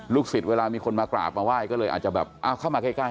สิทธิ์เวลามีคนมากราบมาไหว้ก็เลยอาจจะแบบอ้าวเข้ามาใกล้